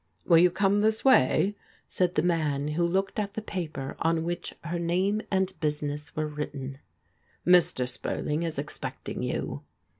" Will you come this way? " said the man who looked at the paper on which her name and business were writ ten. " Mr. Spurling is expecting you."